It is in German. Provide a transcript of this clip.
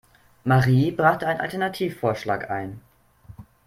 Marie brachte einen Alternativvorschlag ein.